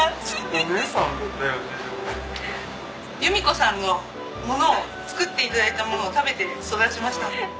弓子さんのものを作って頂いたものを食べて育ちましたので。